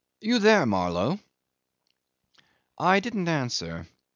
. You there, Marlow?" 'I didn't answer.